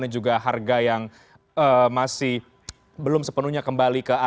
dan juga harga yang masih belum sepenuhnya kembali ke angka normal